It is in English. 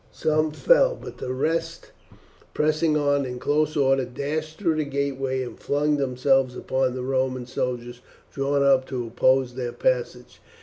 Some fell, but the rest, pressing on in close order, dashed through the gateway and flung themselves upon the Roman soldiers drawn up to oppose their passage.